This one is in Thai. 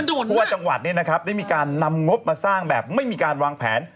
เพราะว่าจังหวัดได้มีการนำงบมาสร้างแบบไม่มีการวางแผน